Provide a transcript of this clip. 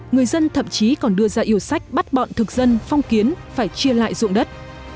người dân thậm chí còn đưa ra yêu sách bắt bọn thực dân phong kiến phải chia lại dụng đất